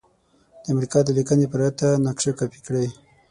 د امریکا د لیکنې پرته نقشه کاپې کړئ.